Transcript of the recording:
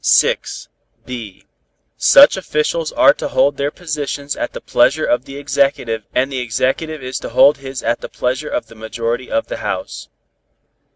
(b) Such officials are to hold their positions at the pleasure of the Executive and the Executive is to hold his at the pleasure of the majority of the House.